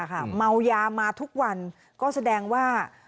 เมายามาทุกวันก็แสดงว่า